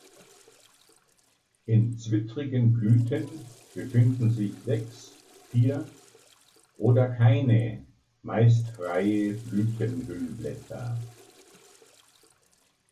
In zwittrigen Blüten befinden sich sechs, vier oder keine meist freie Blütenhüllblätter.